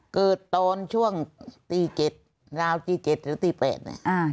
เกิดตอนช่วงตีเจ็ดราวตีเจ็ดแล้วตีแปดน่ะอ่า